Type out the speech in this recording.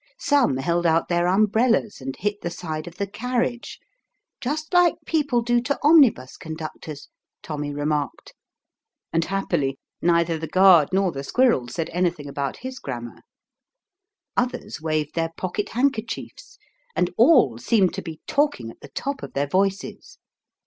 Some held out their umbrellas and hit the side of the carriage ("just like people do to omnibus con ductors," Tommy remarked, and happily neither the guard nor the squirrel said anything about Ms gram mar) ; others waved their pocket handkerchiefs, and all seemed to be talking at the top of their voices.